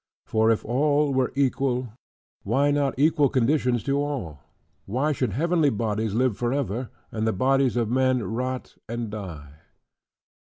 For if all were equal why not equal conditions to all? Why should heavenly bodies live forever; and the bodies of men rot and die?